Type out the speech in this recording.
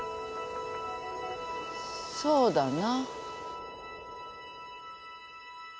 そうだな。